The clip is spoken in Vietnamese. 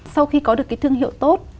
sau khi có được cái thương hiệu tốt